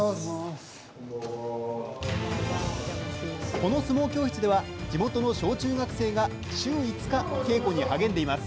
この相撲教室では、地元の小中学生が週５日、稽古に励んでいます。